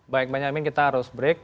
baik bang jamin kita harus break